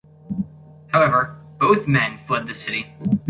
However, both men fled the city.